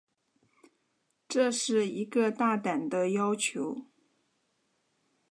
这是一个大胆的要求。